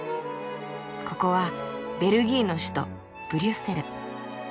ここはベルギーの首都ブリュッセル。